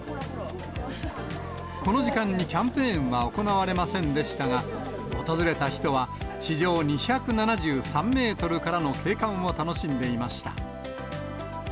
この時間にキャンペーンは行われませんでしたが、訪れた人は、地上２７３メートルからの景観を楽しんでいました。